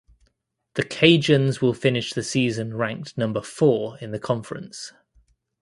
The Cajuns will finish the season ranked number four in the conference.